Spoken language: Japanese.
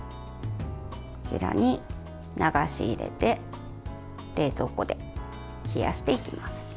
こちらに流し入れて冷蔵庫で冷やしていきます。